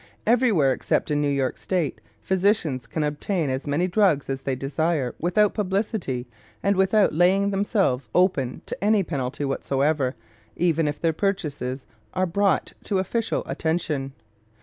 Everywhere except in New York State physicians can obtain as many drugs as they desire without publicity and without laying themselves open to any penalty whatsoever, even if their purchases are brought to official attention.